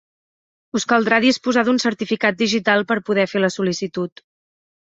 Us caldrà disposar d'un certificat digital per poder fer la sol·licitud.